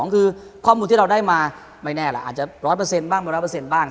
คือข้อมูลที่เราได้มาไม่แน่ล่ะอาจจะ๑๐๐บ้าง๑๐๐บ้าง